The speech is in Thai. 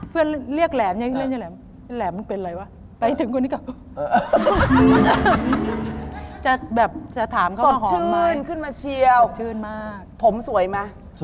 เพื่อนเรียกแหลมว่าหลีกเล่นแหลม